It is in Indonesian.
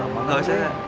gak usah ya